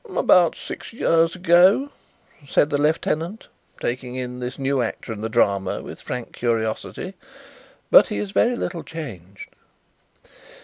"About six years ago," said the lieutenant, taking in this new actor in the drama with frank curiosity. "But he is very little changed."